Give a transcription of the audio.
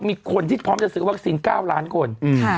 มีคนที่พร้อมจะซื้อวัคซีน๙ล้านคน